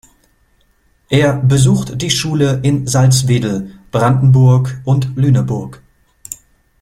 Er besuchte die Schule in Salzwedel, Brandenburg und Lüneburg.